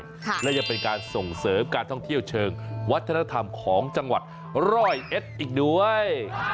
และยังเป็นการส่งเสริมการท่องเที่ยวเชิงวัฒนธรรมของจังหวัดร้อยเอ็ดอีกด้วย